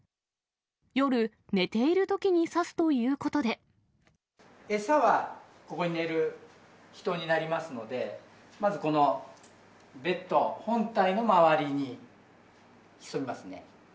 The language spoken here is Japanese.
夜、寝ているときに刺すというこ餌はここに寝る人になりますので、まずこのベッド本体の周りに潜みますね。